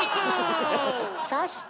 そして！